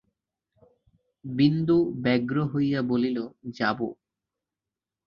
বিন্দু ব্যগ্র হইয়া বলিল, যাব।